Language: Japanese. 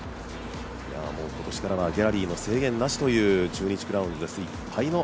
今年からはギャラリーも制限なしという中日クラウンズです。